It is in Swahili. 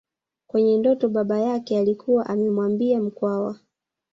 Kwenye ndoto baba yake alikuwa amemwambia Mkwawa